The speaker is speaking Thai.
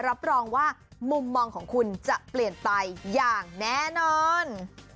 รับรองว่ามุมมองของคุณจะเปลี่ยนไปอย่างแน่นอน